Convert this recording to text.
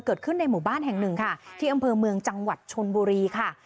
เกิดขึ้นในหมู่บ้านแห่งหนึ่งค่ะที่อำเภอเมืองจังหวัดชนบุรีค่ะ